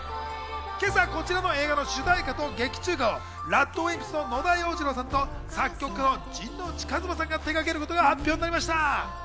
今朝、こちらの映画の主題歌と劇中歌をＲＡＤＷＩＭＰＳの野田洋次郎さんと作曲家の陣内一真さんが手がけることが発表になりました。